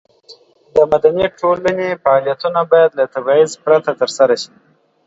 د مدني ټولنې فعالیتونه باید له تبعیض پرته ترسره شي.